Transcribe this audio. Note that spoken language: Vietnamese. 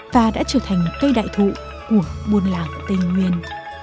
và đã trở thành cây đại thụ của buôn làng tây nguyên